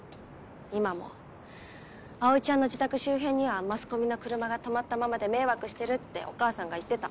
今も葵ちゃんの自宅周辺にはマスコミの車が止まったままで迷惑してるってお母さんが言ってた。